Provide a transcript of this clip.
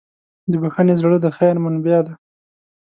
د بښنې زړه د خیر منبع ده.